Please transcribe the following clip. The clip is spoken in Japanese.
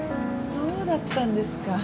そうだったんですか。